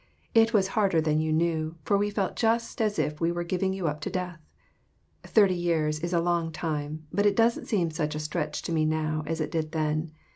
It was harder than you knew, for we felt just as if we were giving you up to death. Thirty years is a long time, but it doesn't seem such a stretch to me now as it did then.